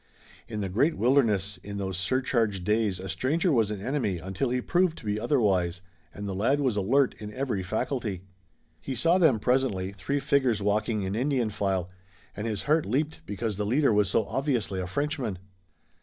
In the great wilderness in those surcharged days a stranger was an enemy until he was proved to be otherwise, and the lad was alert in every faculty. He saw them presently, three figures walking in Indian file, and his heart leaped because the leader was so obviously a Frenchman.